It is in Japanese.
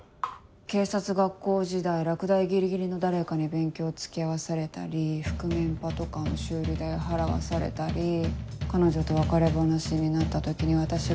警察学校時代落第ギリギリの誰かに勉強を付き合わされたり覆面パトカーの修理代を払わされたり彼女と別れ話になった時に私が。